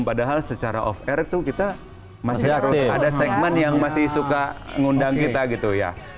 padahal secara off air tuh kita masih harus ada segmen yang masih suka ngundang kita gitu ya